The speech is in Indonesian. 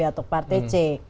atau partai c